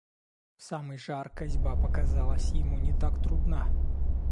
В самый жар косьба показалась ему не так трудна.